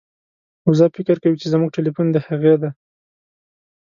وزه فکر کوي چې زموږ ټیلیفون د هغې دی.